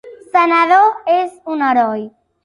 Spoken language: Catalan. Senador, és un heroi.